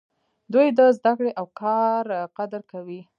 دوی د زده کړې او کار قدر کوي.